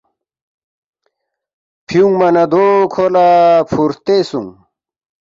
فیونگما نہ دو کھو لہ فُور ہرتے سونگس